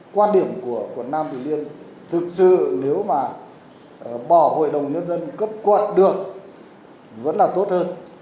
quan điểm của quận nam bình liên thực sự nếu mà bỏ hội đồng nhân dân cấp quận được vẫn là tốt hơn